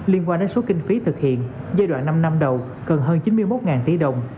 liên quan đến số kinh phí thực hiện giai đoạn năm năm đầu cần hơn chín mươi một tỷ đồng